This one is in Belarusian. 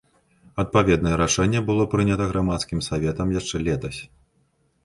Адпаведнае рашэнне было прынята гарадскім саветам яшчэ летась.